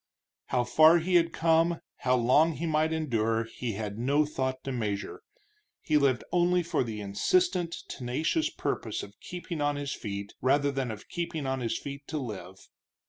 How far he had come, how long he might yet endure, he had no thought to measure. He lived only for the insistent, tenacious purpose of keeping on his feet, rather than of keeping on his feet to live.